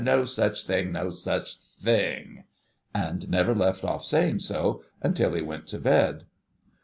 No such thing, no such thing !' And never left off saying so, until he v.ent to bed.